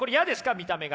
見た目が。